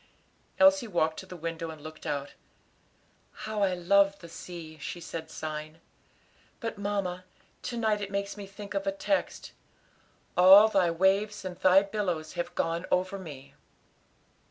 Elsie walked to the window and looked out. "How I love the sea," she said, sighing, "but, mamma, to night it makes me think of a text 'All Thy waves and Thy billows have gone over me.'"